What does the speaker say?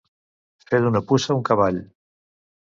Fer d'una puça un cavall.